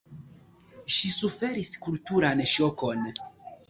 Ŝi suferis kulturan ŝokon.